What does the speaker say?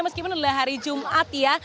meskipun adalah hari jumat ya